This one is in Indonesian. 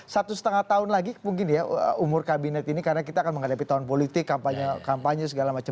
satu setengah tahun lagi mungkin ya umur kabinet ini karena kita akan menghadapi tahun politik kampanye kampanye segala macam